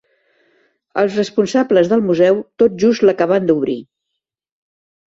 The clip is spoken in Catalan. Els responsables del museu tot just l'acaben d'obrir.